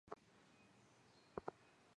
向传师是宋朝政治人物。